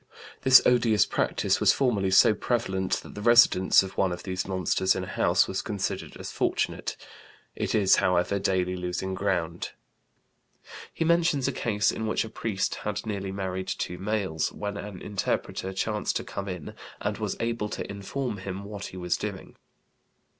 This odious practice was formerly so prevalent that the residence of one of these monsters in a house was considered as fortunate; it is, however, daily losing ground." He mentions a case in which a priest had nearly married two males, when an interpreter chanced to come in and was able to inform him what he was doing.